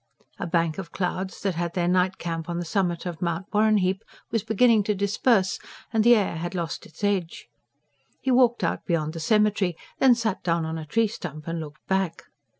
A bank of clouds that had had their night camp on the summit of Mount Warrenheip was beginning to disperse; and the air had lost its edge. He walked out beyond the cemetary, then sat down on a tree stump and looked back.